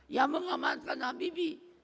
yang mengamankan nabi b